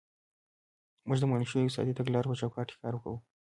موږ د منل شویو اقتصادي تګلارو په چوکاټ کې کار کوو.